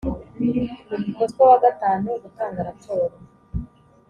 umutwe wa gatanu gutanga raporo